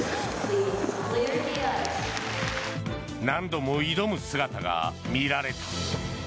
何度も挑む姿が見られた。